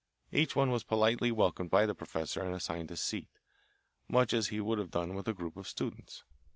Each one was politely welcomed by the professor and assigned a seat, much as he would have done with a group of students.